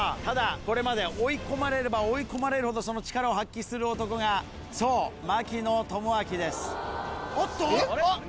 ただこれまで追い込まれれば追い込まれるほどその力を発揮する男がそう槙野智章です。